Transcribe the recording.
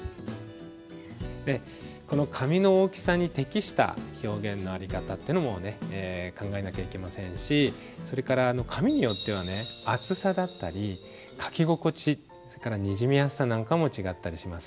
この紙の大きさに適した表現の在り方っていうのもね考えなきゃいけませんしそれから紙によっては厚さだったり書き心地にじみやすさなんかも違ったりします。